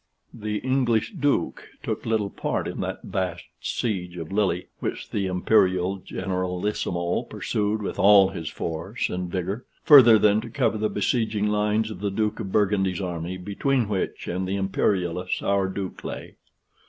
The English Duke took little part in that vast siege of Lille, which the Imperial Generalissimo pursued with all his force and vigor, further than to cover the besieging lines from the Duke of Burgundy's army, between which and the Imperialists our Duke lay.